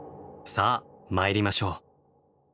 さあ参りましょう。